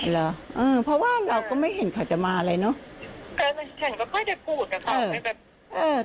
เหรอเออเพราะว่าเราก็ไม่เห็นเขาจะมาอะไรเนอะแต่ฉันก็ค่อยจะพูดกับเขาให้แบบเออ